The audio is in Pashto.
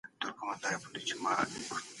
احمد شاه ابدالي څنګه د باور رامنځته کولو هڅه کوله؟